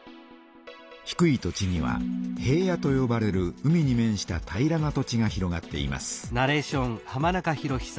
低い土地には平野とよばれる海に面した平らな土地が広がっています。